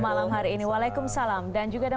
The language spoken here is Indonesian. malam hari ini walaikum salam dan juga ada